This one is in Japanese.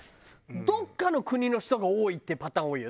どこかの国の人が多いってパターン多いよ。